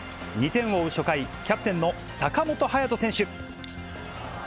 ２点を追う初回、キャプテンの坂本勇人選手。